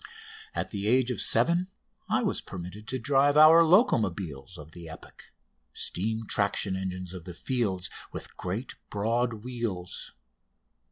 At the age of seven I was permitted to drive our "locomobiles" of the epoch steam traction engines of the fields with great broad wheels.